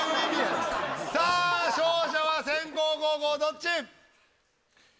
さあ勝者は先攻・後攻どっち？